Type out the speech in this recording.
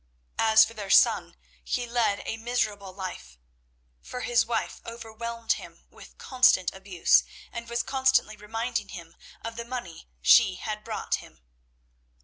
As for their son, he led a miserable life; for his wife overwhelmed him with constant abuse, and was constantly reminding him of the money she had brought him.